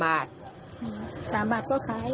๓บาทก็ขาย